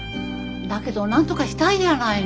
だけどなんとかしたいじゃないの。